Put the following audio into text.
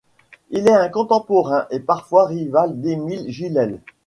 Il est un contemporain et parfois rival d'Emil Gilels.